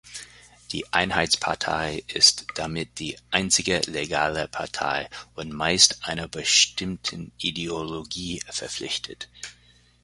Die Einheitspartei ist damit die einzige legale Partei und meist einer bestimmten Ideologie verpflichtet.